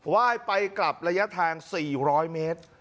ว่ายไปกลับระยะทาง๔๐๐เมตร